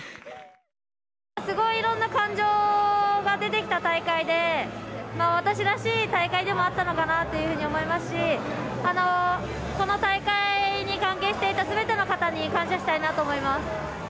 すごいいろんな感情が出てきた大会で、私らしい大会でもあったのかなというふうにも思いますし、この大会に関係していたすべての方に感謝したいなと思います。